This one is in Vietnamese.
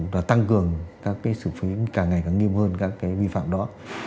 và tăng cường các cái xử phí càng ngày càng nghiêm hơn các cái vi phạm đó